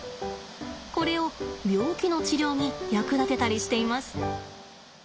これを病気の治療に役立てたりしています。